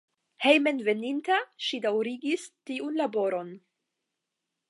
Hejmenveninta ŝi daŭrigis tiun laboron.